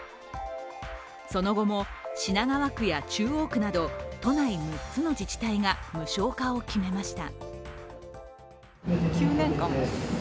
その後も、品川区や中央区など都内６つの自治体が無償化を決めました。